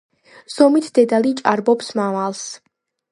ზომით დედალი ჭარბობს მამალს.